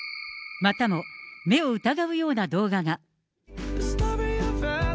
またも目を疑うような動画が。